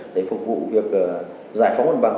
để phục vụ việc giải phóng bằng bằng